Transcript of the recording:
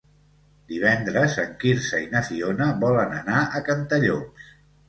Divendres en Quirze i na Fiona volen anar a Cantallops.